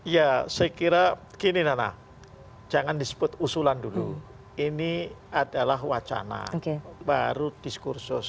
ya saya kira gini nana jangan disebut usulan dulu ini adalah wacana baru diskursus